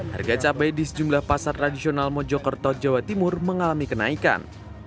harga cabai di sejumlah pasar tradisional mojokerto jawa timur mengalami kenaikan